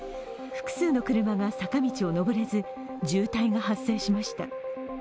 複数の車が坂道を上れず、渋滞が発生しました。